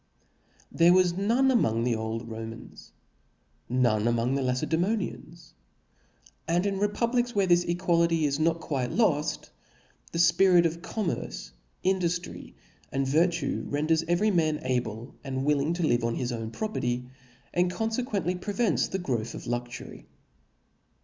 There was pone among the olcl Romans, none among the La cedaemonians; and in republics where this equality IS not quite loft, the fpirir of commerce, induftry^ and virtue; renders every man able and willing to Jive on bis own prop^ty, and confcquently prcr rents the growth of luxury.